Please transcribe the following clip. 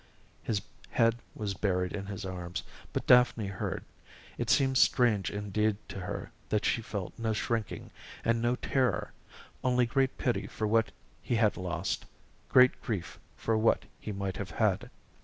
His head was buried in his arms, but Daphne heard. It seemed strange indeed to her that she felt no shrinking and no terror; only great pity for what he had lost, great grief for what he might have had.